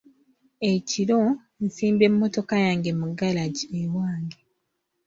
Ekiro nsimba emmotoka yange mu galagi ewange.